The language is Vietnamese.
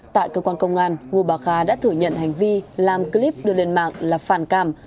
tại cơ quan công an ngô bà khá đã thử nhận hành vi làm clip đưa lên mạng là phản cảm